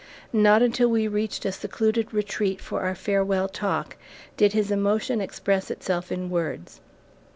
Not until we reached a secluded retreat for our farewell talk, did his emotion express itself in words.